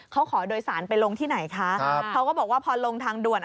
เขาขอโดยสารไปลงที่ไหนคะครับเขาก็บอกว่าพอลงทางด่วน